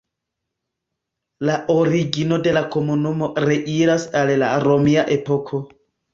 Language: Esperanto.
La origino de la komunumo reiras al la romia epoko.